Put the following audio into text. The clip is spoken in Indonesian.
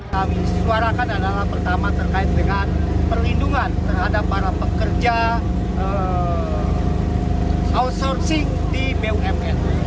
kami suarakan adalah pertama terkait dengan perlindungan terhadap para pekerja outsourcing di bumn